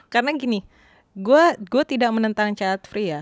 karena gini gue tidak menentang child free ya